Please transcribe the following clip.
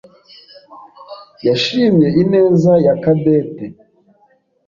yashimye ineza ya Cadette.